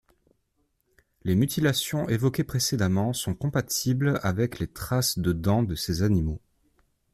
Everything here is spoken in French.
Les mutilations évoquées précédemment sont compatibles avec les traces de dent de ces animaux.